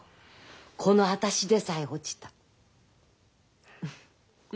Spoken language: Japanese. この私でさえ落ちた。